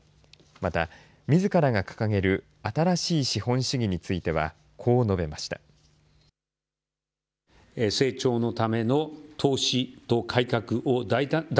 また、みずからが掲げる新しい資本主義についてはこう述べました。